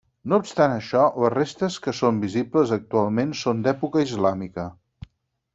No obstant això, les restes que són visibles actualment són d'època islàmica.